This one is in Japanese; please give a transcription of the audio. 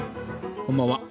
こんばんは。